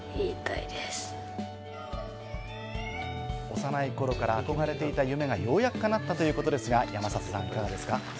幼い頃から憧れていた夢がようやく叶ったということですが、山里さん、いかがですか？